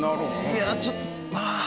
いやちょっとあぁ。